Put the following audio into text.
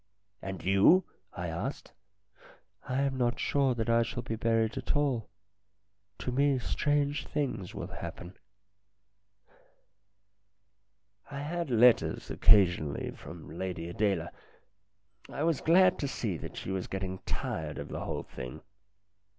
"And you?" I asked. "I am not sure that I shall be buried at all. To me strange things will happen." LINDA 289 I had letters occasionally from Lady Adela. I was glad to see that she was getting tired of the whole thing.